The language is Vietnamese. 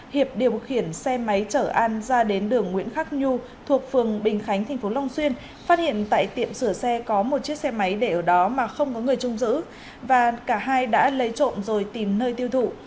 hiệp điều khiển xe máy chở an ra đến đường nguyễn khắc nhu thuộc phường bình khánh tp long xuyên phát hiện tại tiệm sửa xe có một chiếc xe máy để ở đó mà không có người trung giữ và cả hai đã lấy trộm rồi tìm nơi tiêu thụ